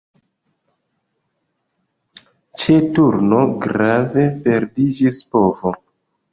Ĉe turno grave perdiĝis povo.